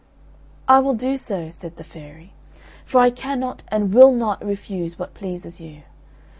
"I will do so," said the fairy, "for I cannot and will not refuse what pleases you.